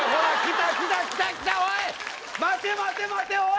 待て待て待ておい！